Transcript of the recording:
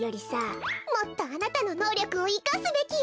もっとあなたののうりょくをいかすべきよ。